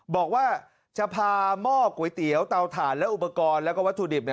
บอกว่าจะพาหม้อก๋วยเตี๋ยวเตาถ่านและอุปกรณ์แล้วก็วัตถุดิบ